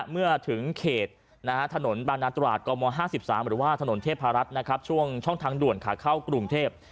เมื่อถึงเขตถนนบางนาตราดกม๕๓หรือว่าถนนเทพรัฐช่วงช่องทางด่วนขาเข้ากรุงเทพ